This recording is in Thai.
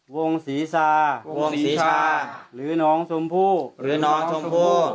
วงศีรษาวงศีรษาหรือน้องสมผู้หรือน้องสมผู้